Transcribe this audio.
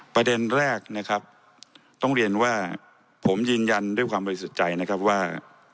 ประเด็นแรกนะครับต้องเรียนว่าผมยืนยันด้วยความบริสุทธิ์ใจนะครับว่า